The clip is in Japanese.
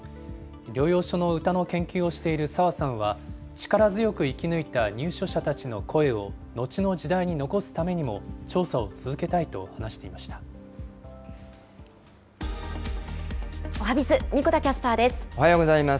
療養所の歌の研究をしている沢さんは、力強く生き抜いた入所者たちの声を後の時代に残すためにも調査をおはＢｉｚ、おはようございます。